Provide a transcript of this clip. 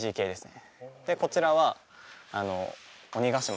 こちらは「新・鬼ヶ島」。